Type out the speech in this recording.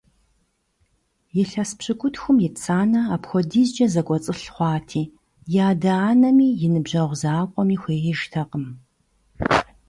Илъэс пщыкӏутхум ит Санэ апхуэдизкӀэ зэкӀуэцӀылъ хъуати, и адэ-анэми, и ныбжьэгъу закъуэми хуеижтэкъым.